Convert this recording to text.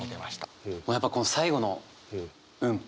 やっぱこの最後の「うん」。